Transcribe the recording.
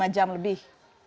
lima jam lebih